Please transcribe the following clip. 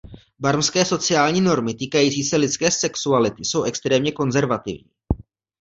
Barmské sociální normy týkající se lidské sexuality jsou extrémně konzervativní.